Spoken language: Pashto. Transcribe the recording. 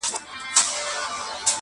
ناست یمه ترې لپې ډکومه زه ،